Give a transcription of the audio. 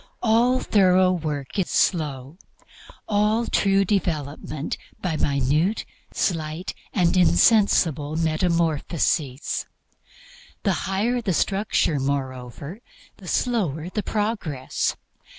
All thorough work is slow; all true development by minute, slight and insensible metamorphoses. The higher the structure, moreover, the slower the progress.